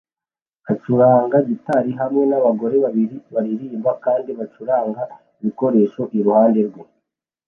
acuranga gitari hamwe nabagore babiri baririmba kandi bacuranga ibikoresho iruhande rwe